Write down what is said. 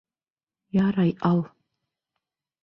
Ярай, ал.